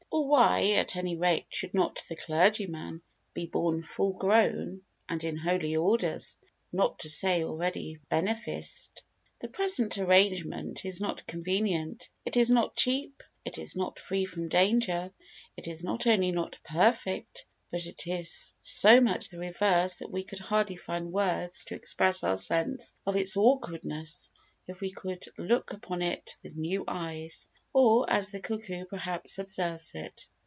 Or why, at any rate, should not the clergyman be born full grown and in Holy Orders, not to say already beneficed? The present arrangement is not convenient, it is not cheap, it is not free from danger, it is not only not perfect but is so much the reverse that we could hardly find words to express our sense of its awkwardness if we could look upon it with new eyes, or as the cuckoo perhaps observes it.